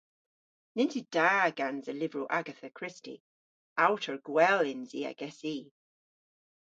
Nyns yw da gansa lyvrow Agatha Christie. Awtour gwell yns i agessi!